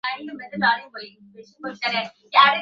একটা গোটা ছোট পাহাড় হলেই ঠিক আমার মনোমত হয়।